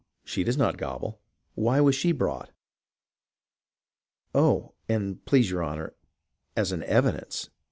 She does not gobble — why was she brought .''"" Oh, an' please your honour, as an evidence.